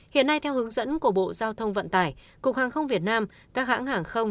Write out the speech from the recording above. hiện nay theo hướng dẫn của bộ giao thông vận tải cục hàng không việt nam các hãng hàng không